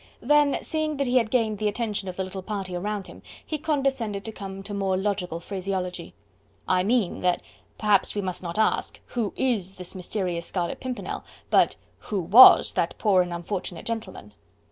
Then seeing that he had gained the attention of the little party round him, he condescended to come to more logical phraseology. "I mean, that perhaps we must not ask, 'who IS this mysterious Scarlet Pimpernel?' but 'who WAS that poor and unfortunate gentleman?'"